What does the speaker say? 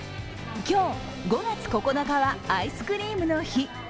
今日、５月９日にはアイスクリームの日。